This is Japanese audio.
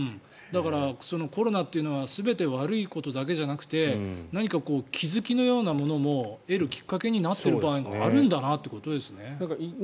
だからコロナというのは全て悪いことだけじゃなくて何か気付きのようなものも得るきっかけになっている場合があるんだってことですね。